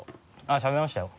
あっしゃべりましたよ。